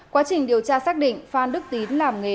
quá trình điều tra xác định phan đức tín làm nghề